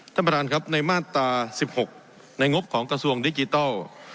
ท่านประธานครับในมาตรา๑๖ในงบของกระทรวงดิจิทัล